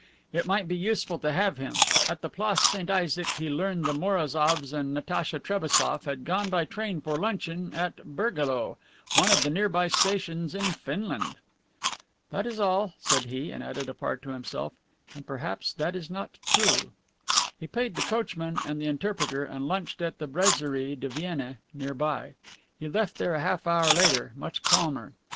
It might be useful to have him. At the Place St. Isaac he learned the Morazoffs and Natacha Trebassof had gone by train for luncheon at Bergalowe, one of the nearby stations in Finland. "That is all," said he, and added apart to himself, "And perhaps that is not true." He paid the coachman and the interpreter, and lunched at the Brasserie de Vienne nearby. He left there a half hour later, much calmer.